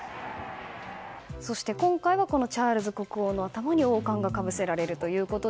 そして今回はチャールズ国王の頭に王冠がかぶせられると。